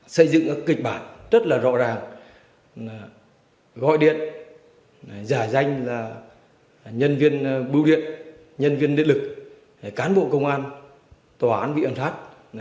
xây dựng cái kịch bản rất là rõ ràng gọi điện giả danh là nhân viên bưu điện nhân viên liên lực cán bộ công an tòa án bị âm sát